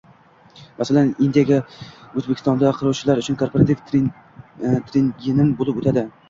Masalan, indinga Oʻzbekistonda quruvchilar uchun korporativ treningim boʻlib oʻtadi.